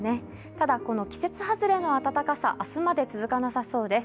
ただこの季節外れの暖かさ、明日まで続かなそうです。